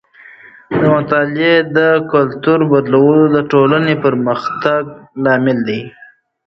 د مطالعې د کلتور بدلون د ټولنې د پرمختګ لامل دی.